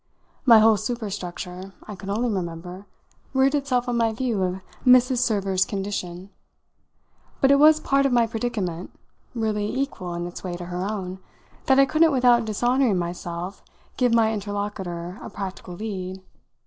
My whole superstructure, I could only remember, reared itself on my view of Mrs. Server's condition; but it was part of my predicament really equal in its way to her own that I couldn't without dishonouring myself give my interlocutor a practical lead.